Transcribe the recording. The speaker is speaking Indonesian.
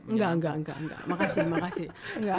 enggak enggak enggak makasih makasih